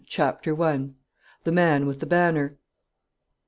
CHAPTER I. THE MAN WITH THE BANNER.